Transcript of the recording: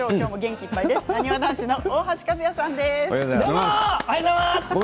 なにわ男子の大橋和也さんです。